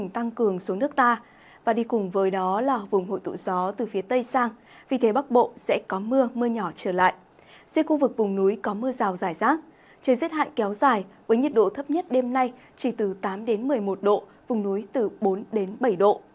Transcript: trời dết hại kéo dài với nhiệt độ thấp nhất đêm nay chỉ từ tám một mươi một độ vùng núi từ bốn bảy độ